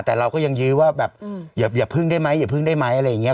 แต่เราก็ยังยื้อว่าแบบอย่าพึ่งได้ไหมอย่าพึ่งได้ไหมอะไรอย่างนี้